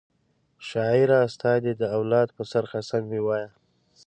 شاعره ستا دي د اولاد په سر قسم وي وایه